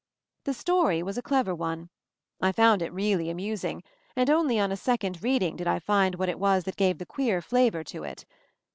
The story was a clever one. I found it really amusing, and only on a second reading did I find what it was that gave the queer flavor to it.